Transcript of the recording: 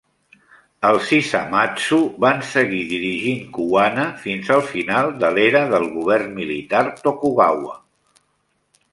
Els Hisamatsu van seguir dirigint Kuwana fins al final de l'era del govern militar Tokugawa.